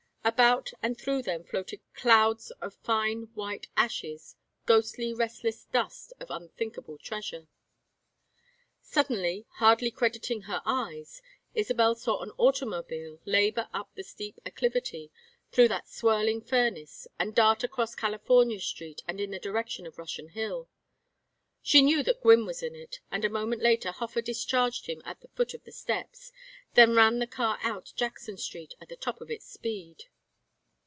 About and through them floated clouds of fine white ashes, ghostly restless dust of unthinkable treasure. Suddenly, hardly crediting her eyes, Isabel saw an automobile labor up the steep acclivity, through that swirling furnace, and dart across California Street and in the direction of Russian Hill. She knew that Gwynne was in it, and a moment later Hofer discharged him at the foot of the steps, then ran the car out Jackson Street at the top of its speed.